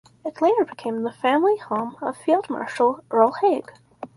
It later became the family home of Field Marshal Earl Haig.